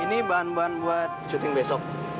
ini bahan bahan buat syuting besok